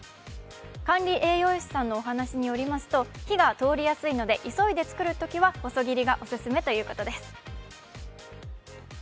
管理栄養士さんのお話になると、火が通りやすいので急いで作るときは細切りがオススメということです。